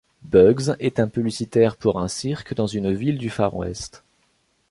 Bugs est un publicitaire pour un cirque dans une ville du Far West.